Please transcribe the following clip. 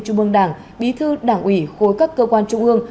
trung ương đảng bí thư đảng ủy khối các cơ quan trung ương